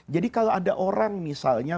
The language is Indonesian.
jadi kalau ada orang misalnya